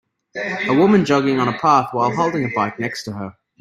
A woman jogging on a path while holding a bike next to her.